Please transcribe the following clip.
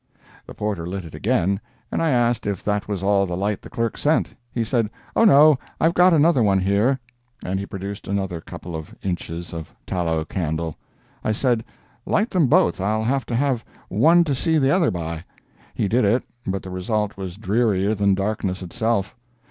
The porter lit it again, and I asked if that was all the light the clerk sent. He said, "Oh no, I've got another one here," and he produced another couple of inches of tallow candle. I said, "Light them both—I'll have to have one to see the other by." He did it, but the result was drearier than darkness itself.